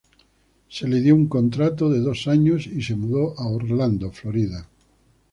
Se le dio un contrato de dos años y se mudó a Orlando, Florida.